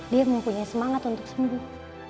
dia mau punya semangat untuk sembuh